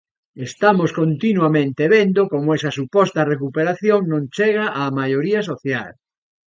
Estamos continuamente vendo como esa suposta recuperación non chega á maioría social.